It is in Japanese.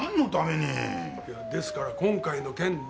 いやですから今回の件で。